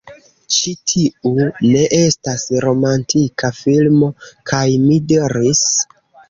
"Ĉi tiu ne estas romantika filmo!" kaj mi diris: